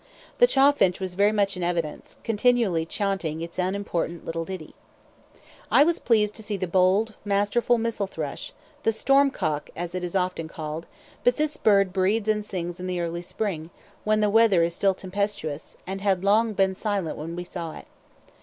The chaffinch was very much in evidence, continually chaunting its unimportant little ditty. I was pleased to see the bold, masterful missel thrush, the stormcock as it is often called; but this bird breeds and sings in the early spring, when the weather is still tempestuous, and had long been silent when we saw it.